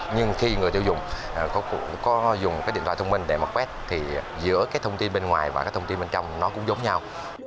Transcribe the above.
nhưng khi người tiêu dùng cũng có dùng cái điện thoại thông minh để mà quét thì giữa cái thông tin bên ngoài và cái thông tin bên trong nó cũng giống nhau